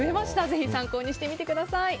ぜひ参考にしてみてください。